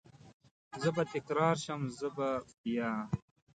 زه به تکرار شم، زه به بیا،